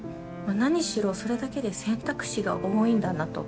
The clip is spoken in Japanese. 何しろそれだけで選択肢が多いんだなと。